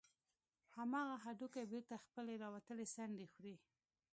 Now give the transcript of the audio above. همغه هډوکى بېرته خپلې راوتلې څنډې خوري.